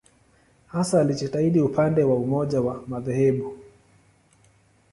Hasa alijitahidi upande wa umoja wa madhehebu.